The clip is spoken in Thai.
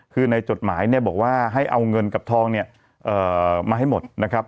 คือในจดหมายเนี่ยบอกว่าให้เอาเงินกับทองเนี่ยมาให้หมดนะครับ